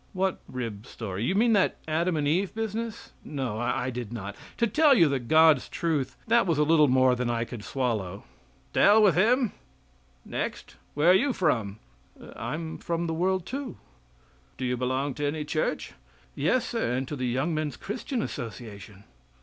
"What rib story Do you mean that Adam and Eve business? No, I did not. To tell you the God's truth, that was a little more than I could swallow." "To hell with him. Next. Where are you from?" "I'm from the world, too. Do you belong to any church?" "Yes, sir, and to the Young Men's Christian Association."